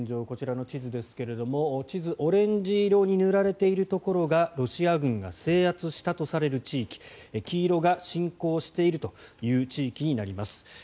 こちらの地図ですけれども地図、オレンジ色に塗られているところがロシア軍が制圧したとされる地域黄色が侵攻しているという地域になります。